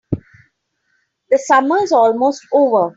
The summer is almost over.